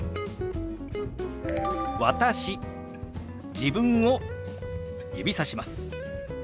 自分を指さします。